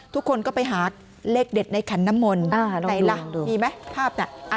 ทุกคนก็ไปหาเลขเด็ดในขันน้ำมนต์ไหนล่ะมีไหมภาพน่ะ